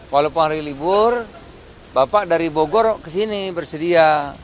walaupun hari libur bapak dari bogor ke sini bersedia